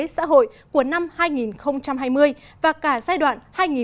xã hội của năm hai nghìn hai mươi và cả giai đoạn hai nghìn hai mươi một hai nghìn hai mươi